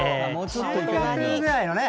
中学ぐらいのね。